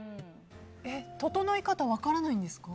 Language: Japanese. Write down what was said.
ととのい方分からないんですか。